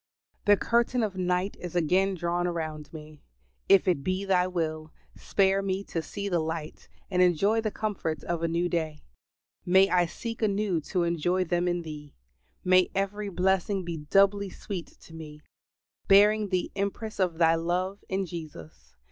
The curtain of night is again drawn around me. If it be Thy will, spare me to see the light and enjoy the comforts of a new day; may I seek anew to enjoy them in Thee; may every blessing be doubly sweet to me, bearing the impress of Thy love in Jesus.